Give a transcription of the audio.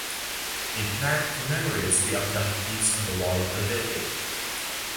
A plaque commemorates the abductees on the wall of the building.